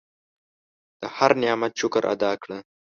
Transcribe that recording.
د هر نعمت شکر ادا کړه.